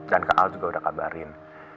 dan kak al juga udah kabarin